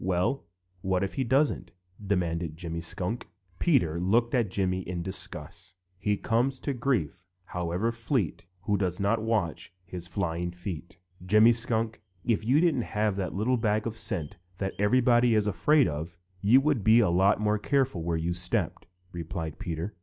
"Well, what if he doesn't?" demanded Jimmy Skunk. Peter looked at Jimmy in disgust: "He comes to grief, however fleet, Who doesn't watch his flying feet. "Jimmy Skunk, if you didn't have that little bag of scent that everybody is afraid of, you would be a lot more careful where you step," replied Peter.